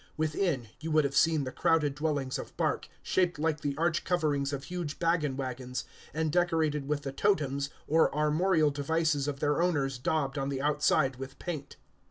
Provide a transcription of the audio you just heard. Within, you would have seen the crowded dwellings of bark, shaped like the arched coverings of huge baggage wagons, and decorated with the totems or armorial devices of their owners daubed on the outside with paint.